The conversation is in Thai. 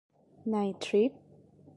ในทริป